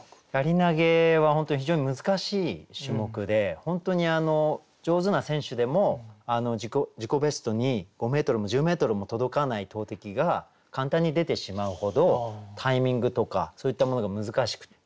槍投げは本当に非常に難しい種目で本当に上手な選手でも自己ベストに５ｍも１０ｍも届かない投てきが簡単に出てしまうほどタイミングとかそういったものが難しくて。